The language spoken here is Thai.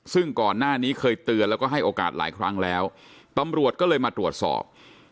ซึ่งก่อนหน้านี้เคยเตือนแล้วก็ให้โอกาสหลายครั้งแล้วตำรวจก็เลยมาตรวจสอบ